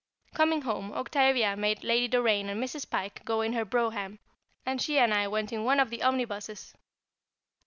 Coming home, Octavia made Lady Doraine and Mrs. Pike go in her brougham, and she and I went in one of the omnibuses.